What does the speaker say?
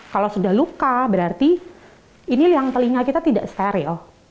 kalau sudah luka berarti ini liang telinga kita tidak steril